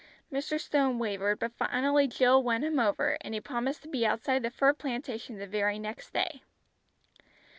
Mr. Stone wavered, but finally Jill won him over, and he promised to be outside the fir plantation the very next day.